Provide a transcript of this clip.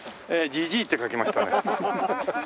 「じじぃ」って書きましたね。